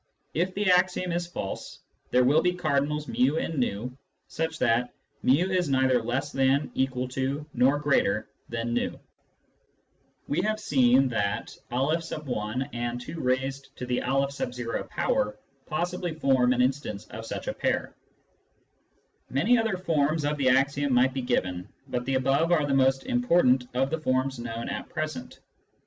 If the axiom is false, there will be cardinals p and v such that /n is neither less than, equal to, nor greater than v. We have seen that N x and 2 N » possibly form an instance of such a pair. Many other forms of the axiom might be given, but the above are the most important of the forms known at present.